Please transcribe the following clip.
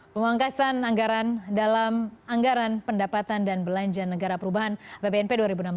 pemangkasan anggaran dalam anggaran pendapatan dan belanja negara perubahan bpnp dua ribu enam belas